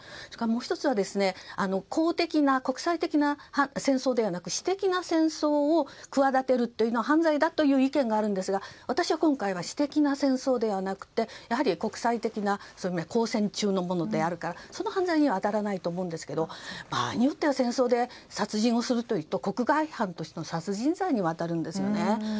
それからもう１つは公的な国際的な戦争ではなく私的な戦争を企てるというのは犯罪だという意見があるんですが私は今回は私的な戦争ではなくてやはり国際的な交戦中のものであるからその犯罪には当たらないと思うんですが場合によっては戦争で殺人をすると国外犯としての殺人罪に当たるんですよね。